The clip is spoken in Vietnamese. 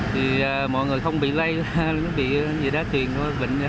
thì mọi người không bị lây không bị gì đá truyền bệnh